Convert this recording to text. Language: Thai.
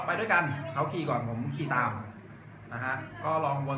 แต่ว่าเมืองนี้ก็ไม่เหมือนกับเมืองอื่น